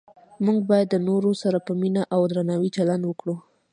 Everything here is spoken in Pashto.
موږ باید د نورو سره په مینه او درناوي چلند وکړو